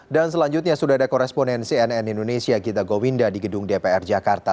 dan selanjutnya sudah ada koresponensi nn indonesia gita gowinda di gedung dpr jakarta